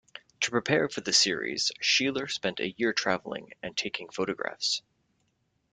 To prepare for the series, Sheeler spent a year traveling and taking photographs.